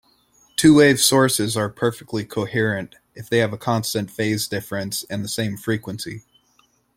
Two-wave sources are perfectly coherent if they have a constant phase difference and the same frequency.